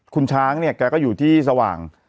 คุณช้างเนี่ยแกก็อยู่ที่สว่าง